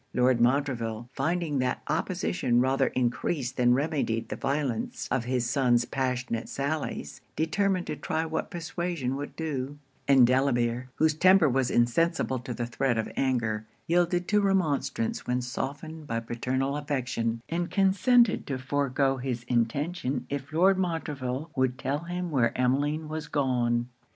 Lord Montreville, finding that opposition rather encreased than remedied the violence of his son's passionate sallies, determined to try what persuasion would do; and Delamere, whose temper was insensible to the threats of anger, yielded to remonstrance when softened by paternal affection; and consented to forego his intention if Lord Montreville would tell him where Emmeline was gone.